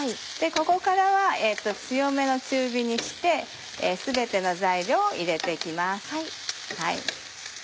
ここからは強めの中火にして全ての材料を入れて行きます。